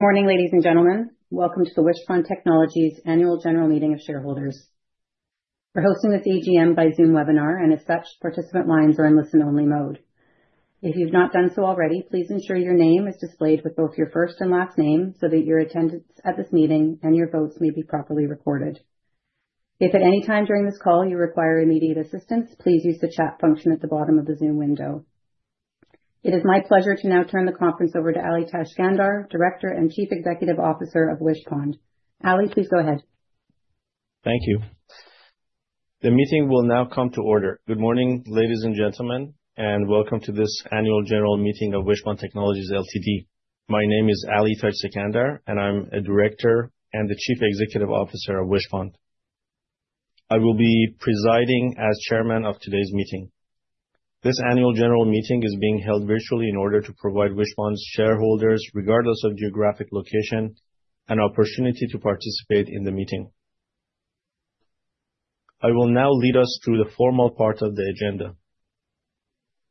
Morning, ladies and gentlemen. Welcome to the Wishpond Technologies Annual General Meeting of Shareholders. We're hosting this AGM by Zoom webinar. As such, participant lines are in listen-only mode. If you've not done so already, please ensure your name is displayed with both your first and last name so that your attendance at this meeting and your votes may be properly recorded. If at any time during this call you require immediate assistance, please use the chat function at the bottom of the Zoom window. It is my pleasure to now turn the conference over to Ali Tajskandar, Director and Chief Executive Officer of Wishpond. Ali, please go ahead. Thank you. The meeting will now come to order. Good morning, ladies and gentlemen, and welcome to this annual general meeting of Wishpond Technologies Ltd. My name is Ali Tajskandar, and I'm a Director and the Chief Executive Officer of Wishpond. I will be presiding as chairman of today's meeting. This annual general meeting is being held virtually in order to provide Wishpond's shareholders, regardless of geographic location, an opportunity to participate in the meeting. I will now lead us through the formal part of the agenda.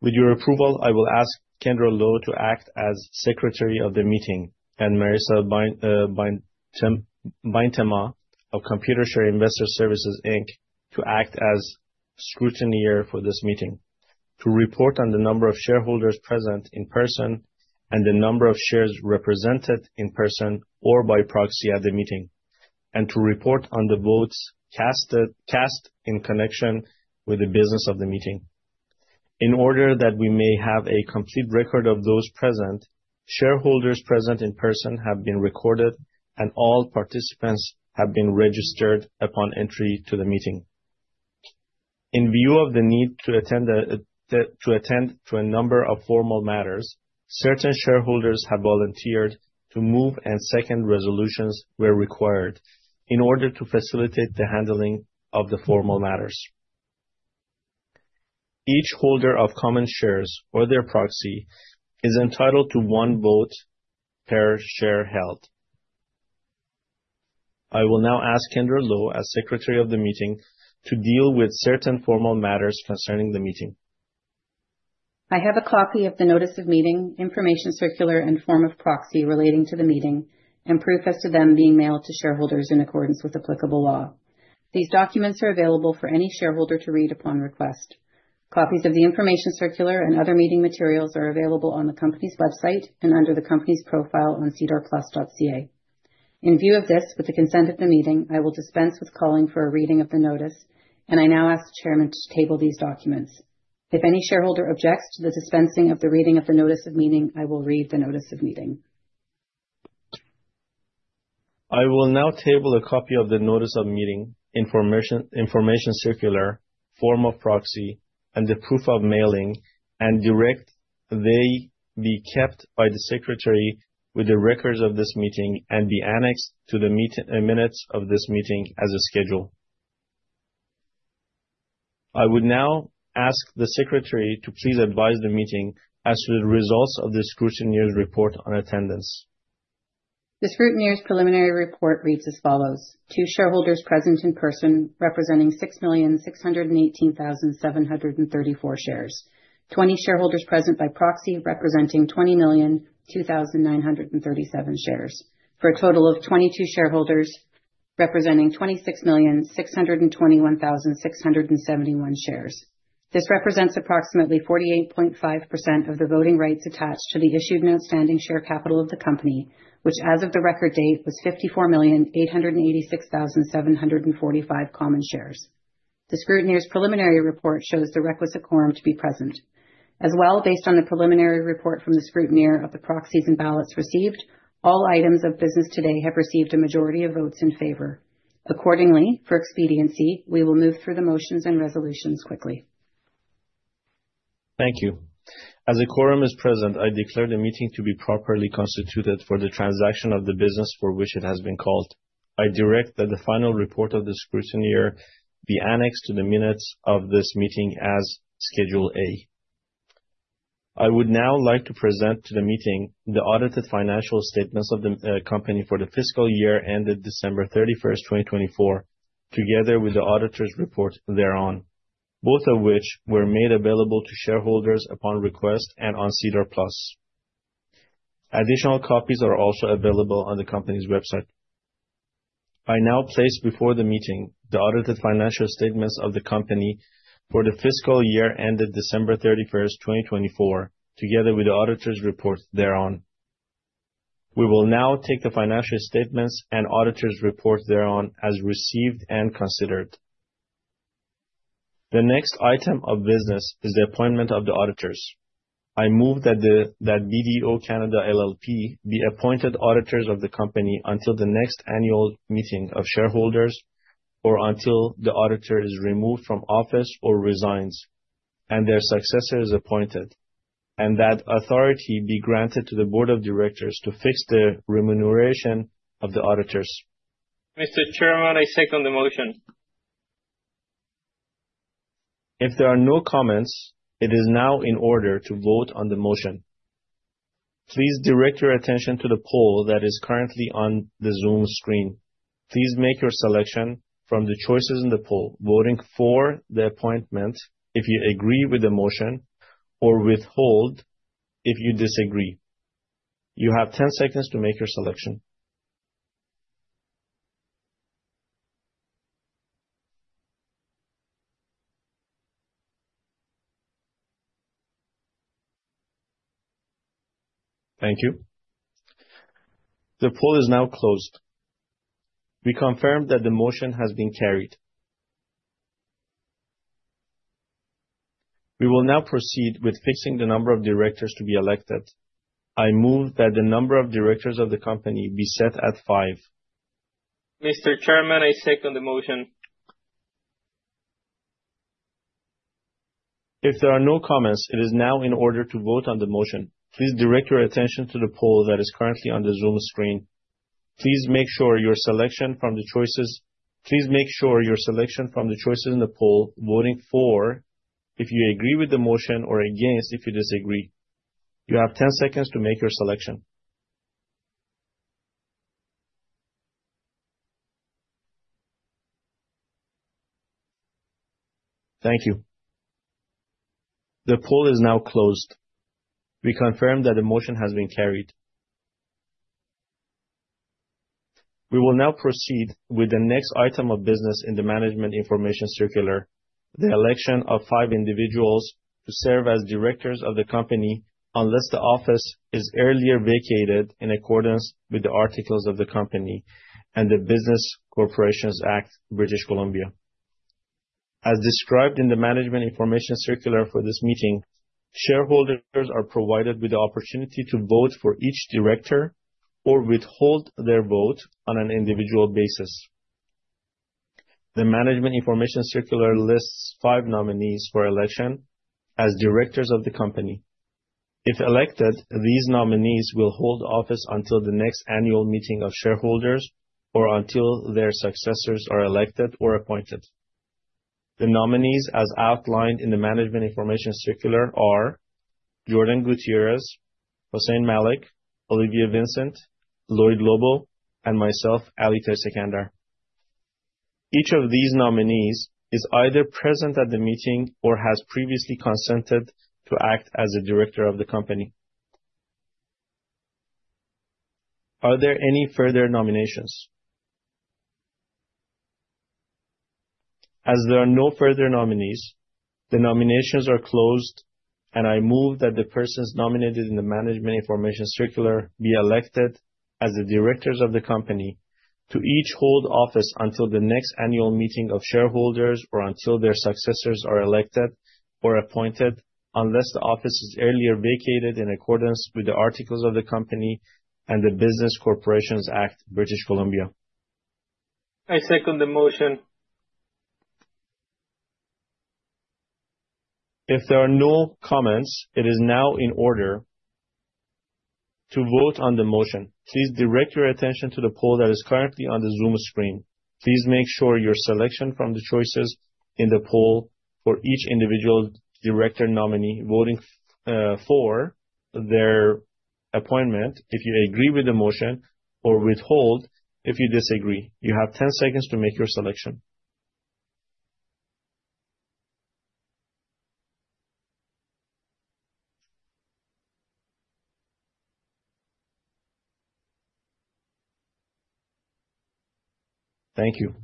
With your approval, I will ask Kendra Low to act as secretary of the meeting and Marissa Beintema of Computershare Investor Services, Inc. to act as scrutineer for this meeting to report on the number of shareholders present in person and the number of shares represented in person or by proxy at the meeting, and to report on the votes cast in connection with the business of the meeting. In order that we may have a complete record of those present, shareholders present in person have been recorded, and all participants have been registered upon entry to the meeting. In view of the need to attend to a number of formal matters, certain shareholders have volunteered to move and second resolutions where required in order to facilitate the handling of the formal matters. Each holder of common shares or their proxy is entitled to one vote per share held. I will now ask Kendra Low, as secretary of the meeting, to deal with certain formal matters concerning the meeting. I have a copy of the notice of meeting, information circular, and form of proxy relating to the meeting and proof as to them being mailed to shareholders in accordance with applicable law. These documents are available for any shareholder to read upon request. Copies of the information circular and other meeting materials are available on the company's website and under the company's profile on sedarplus.ca. In view of this, with the consent of the meeting, I will dispense with calling for a reading of the notice, and I now ask the chairman to table these documents. If any shareholder objects to the dispensing of the reading of the notice of meeting, I will read the notice of meeting. I will now table a copy of the notice of meeting, information circular, form of proxy, and the proof of mailing, and direct they be kept by the secretary with the records of this meeting and be annexed to the minutes of this meeting as a schedule. I would now ask the secretary to please advise the meeting as to the results of the scrutineer's report on attendance. The scrutineer's preliminary report reads as follows, two shareholders present in person representing 6,618,734 shares. 20 shareholders present by proxy representing 20,002,937 shares, for a total of 22 shareholders representing 26,621,671 shares. This represents approximately 48.5% of the voting rights attached to the issued and outstanding share capital of the company, which as of the record date, was 54,886,745 common shares. The scrutineer's preliminary report shows the requisite quorum to be present. Based on the preliminary report from the scrutineer of the proxies and ballots received, all items of business today have received a majority of votes in favor. Accordingly, for expediency, we will move through the motions and resolutions quickly. Thank you. As a quorum is present, I declare the meeting to be properly constituted for the transaction of the business for which it has been called. I direct that the final report of the scrutineer be annexed to the minutes of this meeting as Schedule A. I would now like to present to the meeting the audited financial statements of the company for the fiscal year ended December 31st, 2024, together with the auditor's report thereon, both of which were made available to shareholders upon request and on SEDAR+. Additional copies are also available on the company's website. I now place before the meeting the audited financial statements of the company for the fiscal year ended December 31st, 2024, together with the auditor's reports thereon. We will now take the financial statements and auditor's reports thereon as received and considered. The next item of business is the appointment of the auditors. I move that BDO Canada LLP be appointed auditors of the company until the next annual meeting of shareholders or until the auditor is removed from office or resigns and their successor is appointed, and that authority be granted to the board of directors to fix the remuneration of the auditors. Mr. Chairman, I second the motion. If there are no comments, it is now in order to vote on the motion. Please direct your attention to the poll that is currently on the Zoom screen. Please make your selection from the choices in the poll, voting for the appointment if you agree with the motion, or withhold if you disagree. You have 10 seconds to make your selection. Thank you. The poll is now closed. We confirm that the motion has been carried. We will now proceed with fixing the number of directors to be elected. I move that the number of directors of the company be set at five. Mr. Chairman, I second the motion. If there are no comments, it is now in order to vote on the motion. Please direct your attention to the poll that is currently on the Zoom screen. Please make sure your selection from the choices in the poll, voting for if you agree with the motion or against if you disagree. You have 10 seconds to make your selection. Thank you. The poll is now closed. We confirm that the motion has been carried. We will now proceed with the next item of business in the management information circular, the election of five individuals to serve as directors of the company, unless the office is earlier vacated in accordance with the articles of the company and the Business Corporations Act, British Columbia. As described in the management information circular for this meeting, shareholders are provided with the opportunity to vote for each director or withhold their vote on an individual basis. The management information circular lists five nominees for election as directors of the company. If elected, these nominees will hold office until the next annual meeting of shareholders or until their successors are elected or appointed. The nominees, as outlined in the management information circular, are Jordan Gutierrez, Hossein Malek, Olivier Vincent, Lloyd Lobo, and myself, Ali Tajskandar. Each of these nominees is either present at the meeting or has previously consented to act as a director of the company. Are there any further nominations? As there are no further nominees, the nominations are closed and I move that the persons nominated in the management information circular be elected as the directors of the company to each hold office until the next annual meeting of shareholders or until their successors are elected or appointed, unless the office is earlier vacated in accordance with the articles of the company and the Business Corporations Act, British Columbia. I second the motion. If there are no comments, it is now in order to vote on the motion. Please direct your attention to the poll that is currently on the Zoom screen. Please make sure your selection from the choices in the poll for each individual director nominee, voting for their appointment if you agree with the motion, or withhold if you disagree. You have 10 seconds to make your selection. Thank you.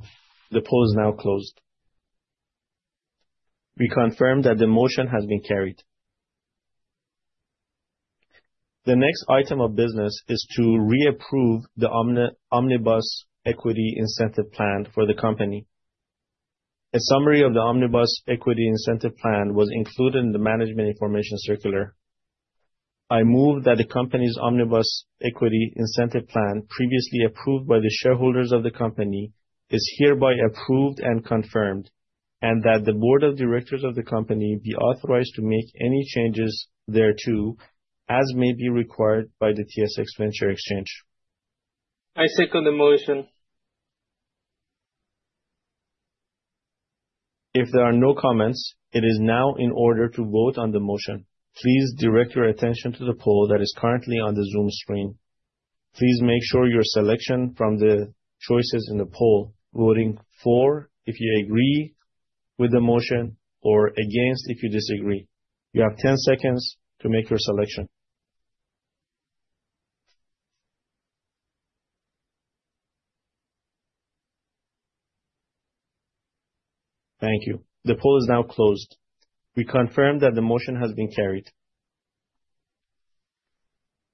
The poll is now closed. We confirm that the motion has been carried. The next item of business is to reapprove the Omnibus Equity Incentive Plan for the company. A summary of the Omnibus Equity Incentive Plan was included in the management information circular. I move that the company's Omnibus Equity Incentive Plan, previously approved by the shareholders of the company, is hereby approved and confirmed, and that the board of directors of the company be authorized to make any changes thereto, as may be required by the TSX Venture Exchange. I second the motion. If there are no comments, it is now in order to vote on the motion. Please direct your attention to the poll that is currently on the Zoom screen. Please make sure your selection from the choices in the poll, voting for if you agree with the motion or against if you disagree. You have 10 seconds to make your selection. Thank you. The poll is now closed. We confirm that the motion has been carried.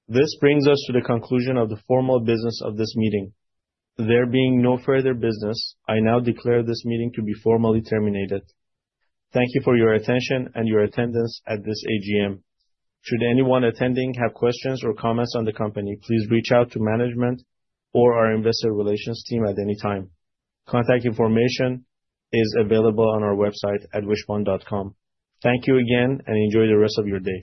This brings us to the conclusion of the formal business of this meeting. There being no further business, I now declare this meeting to be formally terminated. Thank you for your attention and your attendance at this AGM. Should anyone attending have questions or comments on the company, please reach out to management or our investor relations team at any time. Contact information is available on our website at wishpond.com. Thank you again. Enjoy the rest of your day.